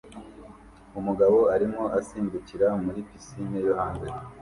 Umugabo arimo asimbukira muri pisine yo hanze